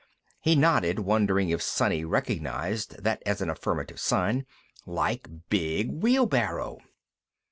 He nodded, wondering if Sonny recognized that as an affirmative sign. "Like big wheelbarrow."